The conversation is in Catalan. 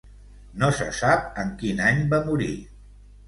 No se sap en quin any va morir.